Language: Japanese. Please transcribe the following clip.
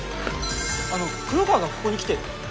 あの黒川がここに来て。